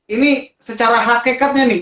ini secara hakikatnya nih